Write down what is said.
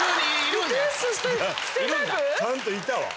ちゃんといたわ。